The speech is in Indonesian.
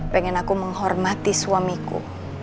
pengen aku menghormati suamiku